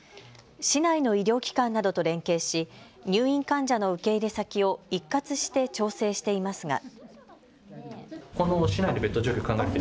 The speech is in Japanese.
市内の医療機関などと連携し、入院患者の受け入れ先を一括して調整していていますが。